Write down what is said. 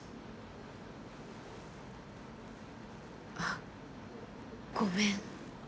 あごめん。